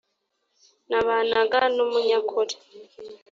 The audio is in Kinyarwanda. nabanaga numunyakuri.